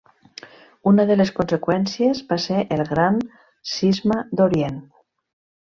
Una de les conseqüències va ser el Gran Cisma d'Orient.